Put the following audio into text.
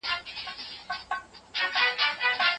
تړونونه د سوداګرۍ خنډونه لیري کوي.